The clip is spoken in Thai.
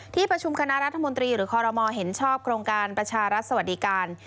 ที่ประชุมคณะรัฐมนตรีหรือคอรมอลเห็นชอบโครงการประชารัฐสวัสดิการ